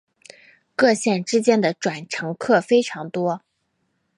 各线之间的转乘客非常多。